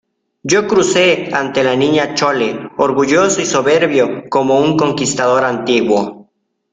yo crucé ante la Niña Chole orgulloso y soberbio como un conquistador antiguo.